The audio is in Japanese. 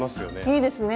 いいですね！